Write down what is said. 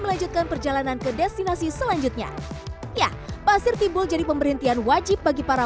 melanjutkan perjalanan ke destinasi selanjutnya ya pasir timbul jadi pemberhentian wajib bagi para